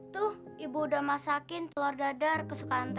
tuh ibu udah masakin telur dadar kesukaan teteh